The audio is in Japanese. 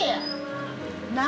何？